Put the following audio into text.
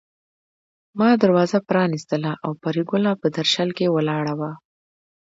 ما دروازه پرانيستله او پري ګله په درشل کې ولاړه وه